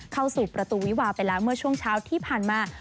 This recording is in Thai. เข้าสู่ประตูวิวาไปแล้วเมื่อช่วงเช้าที่ผ่านมา